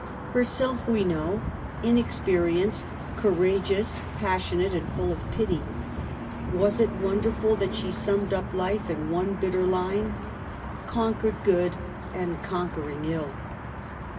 Herself we know : inexperienced, courageous, passionate, and full of pity. Was it wonderful that she summed up life in one bitter line? —" Conquered good and conquering ill."